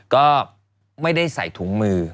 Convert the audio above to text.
ก็ไม่ได้ใส่ถุงมือ